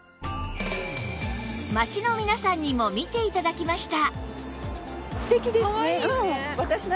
街の皆さんにも見て頂きました